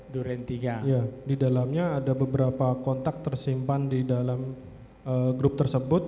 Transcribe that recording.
di dalamnya ada beberapa kontak tersimpan di dalam grup tersebut